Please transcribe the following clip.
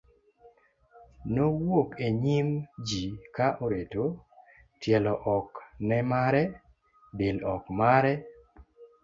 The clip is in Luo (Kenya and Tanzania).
nowuok e nyim ji ka oreto, tielo ok ne mare, del ok mare